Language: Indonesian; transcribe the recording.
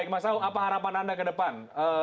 mas salung apa harapan anda ke depan